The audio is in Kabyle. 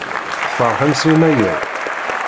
Tfeṛḥem s Yennayer?